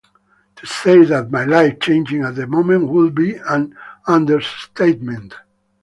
To say that my life changed at that moment would be an understatement.